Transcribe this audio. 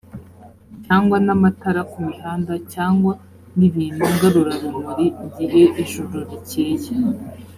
cyangwa n amatara ku mihanda cyangwa n ibintu ngarurarumuri igihe ijuru rikeye